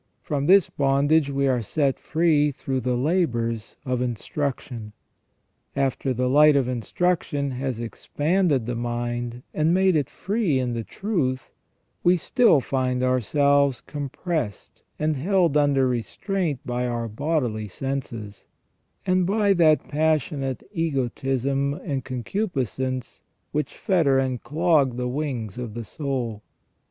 From this bondage we are set free through the labours of instruction. After the light of instruction has expanded the mind and made it free in the truth, we still find ourselves compressed and held under restraint by our bodily senses, and by that passionate egotism and concupiscence which fetter and clog the wings of the soul.